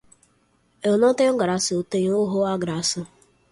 Eu não tenho graça, eu tenho horror à graça.